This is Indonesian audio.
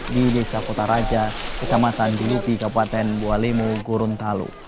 di desa kota raja kecamatan dilupi kabupaten bua lemo gorontalo